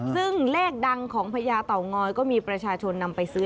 ซึ่งเลขดังของพญาเต่างอยก็มีประชาชนนำไปซื้อ